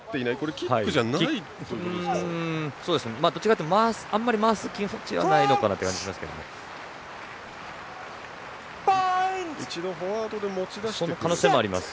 どっちかというとあまり回す気持ちはないのかなという感じがします。